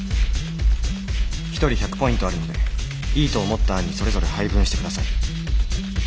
一人１００ポイントあるのでいいと思った案にそれぞれ配分してください。